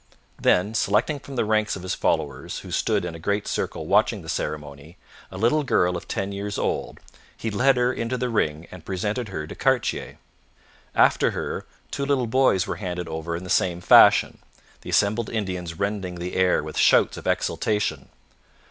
Then, selecting from the ranks of his followers, who stood in a great circle watching the ceremony, a little girl of ten years old, he led her into the ring and presented her to Cartier. After her, two little boys were handed over in the same fashion, the assembled Indians rending the air with shouts of exultation.